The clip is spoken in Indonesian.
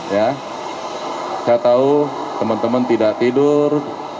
ya saya tahu teman teman tidak tidur